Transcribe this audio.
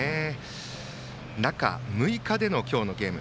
中６日での今日のゲーム。